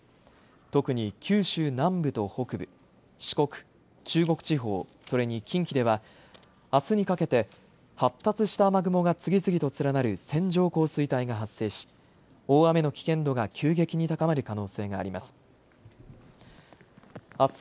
特に九州南部と北部四国、中国地方、それに近畿ではあすにかけて発達した雨雲が次々と連なる線状降水帯が発生し大雨の危険度が急激に高まる可能性があります。